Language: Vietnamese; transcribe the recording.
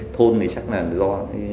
thôn thì chắc là do